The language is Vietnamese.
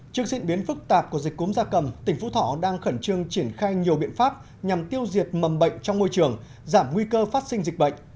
trước diễn biến phức tạp của dịch cúm gia cầm tỉnh phú thọ đang khẩn trương triển khai nhiều biện pháp nhằm tiêu diệt mầm bệnh trong môi trường giảm nguy cơ phát sinh dịch bệnh